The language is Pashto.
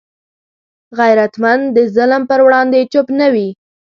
غیرتمند د ظلم پر وړاندې چوپ نه وي